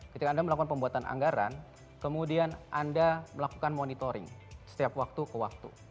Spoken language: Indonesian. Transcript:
ketika anda melakukan pembuatan anggaran kemudian anda melakukan monitoring setiap waktu ke waktu